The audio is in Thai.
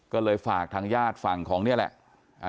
ก็เลยฝากทางญาติฝั่งของนี่แหละ